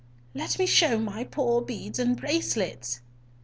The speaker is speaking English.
"Let me show my poor beads and bracelets."